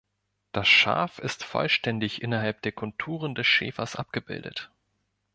Das Schaf ist vollständig innerhalb der Konturen des Schäfers abgebildet.